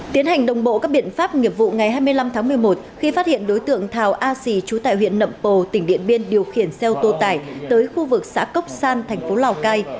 tiến hành đồng bộ các biện pháp nghiệp vụ ngày hai mươi năm tháng một mươi một khi phát hiện đối tượng thảo a xì trú tại huyện nậm pồ tỉnh điện biên điều khiển xe ô tô tải tới khu vực xã cốc san thành phố lào cai